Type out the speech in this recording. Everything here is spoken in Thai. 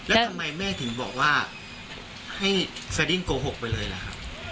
แล้วทำไมแม่ถึงบอกว่าให้สดิ้งโกหกไปเลยล่ะครับ